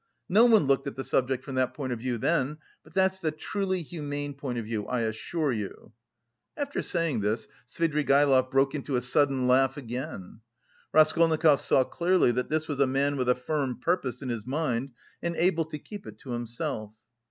No one looked at the subject from that point of view then, but that's the truly humane point of view, I assure you." After saying this, Svidrigaïlov broke into a sudden laugh again. Raskolnikov saw clearly that this was a man with a firm purpose in his mind and able to keep it to himself.